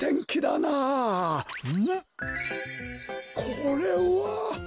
これは！